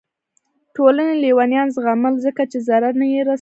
ټولنې لیونیان زغمل ځکه چې ضرر یې نه رسوه.